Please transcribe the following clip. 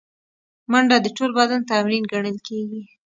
منډه د ټول بدن تمرین ګڼل کېږي